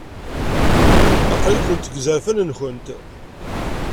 Aql-ikent deg yizerfan-nwent.